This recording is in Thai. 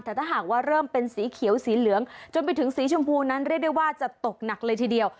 แต่ถ้าหากว่าเริ่มเป็นสีเขียวสีเหลืองจนไปถึงสีชมพูนั้นเรียกได้ว่าจะตกหนักเลยทีเดียว